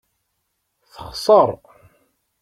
Texṣeṛ.